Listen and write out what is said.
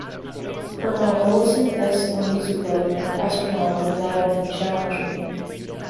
Colonel Ellison S. Onizuka, an astronaut that died on the Challenger.